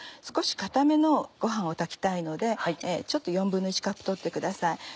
少し硬めのご飯を炊きたいので４分の１カップ取ってください。